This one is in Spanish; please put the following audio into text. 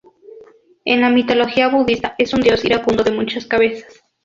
En la mitología budista es un dios iracundo de muchas cabezas.